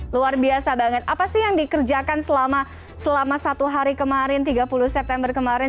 luar biasa banget apa sih yang dikerjakan selama satu hari kemarin tiga puluh september kemarin